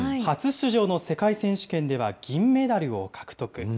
初出場の世界選手権では銀メダルを獲得。